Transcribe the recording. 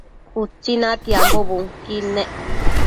Utsi natiambo bunquid